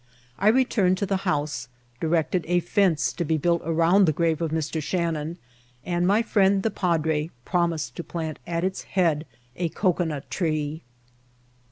I returned to the house, directed a fence to be built around the grave of Mr. Shannon, and my firiend the padre promised to plant at its head a cocoa nut tree.